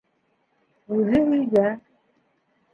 — Үҙе өйҙә.